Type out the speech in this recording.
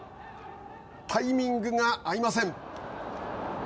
タイミングが合いません。